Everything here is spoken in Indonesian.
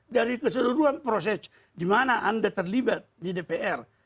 dari keseluruhan proses di mana anda terlibat di dpr